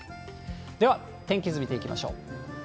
では、天気図見ていきましょう。